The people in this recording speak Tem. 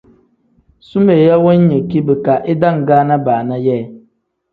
Sumeeya wengeki bika idangaana baana yee.